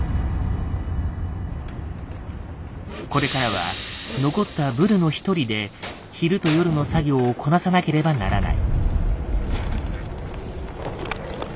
これからは残ったブルノ１人で昼と夜の作業をこなさなければならない。